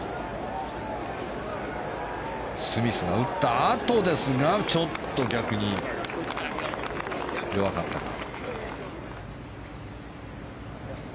スミスが打ったあとですがちょっと逆に弱かったか。